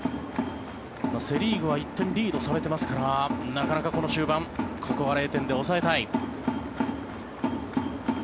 セ・リーグは１点リードされていますからなかなかこの終盤ここは０点で抑えたい。